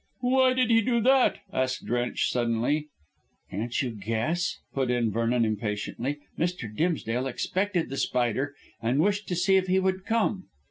"Why did he do that?" asked Drench suddenly. "Can't you guess?" put in Vernon impatiently. "Mr. Dimsdale expected The Spider, and wished to see if he would come."